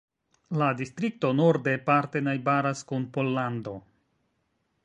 La distrikto norde parte najbaras kun Pollando.